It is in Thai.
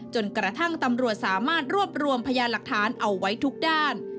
จนกระทั่งตำรวจสามารถรวบรวมพยานหลักฐานเอาไว้ทุกด้าน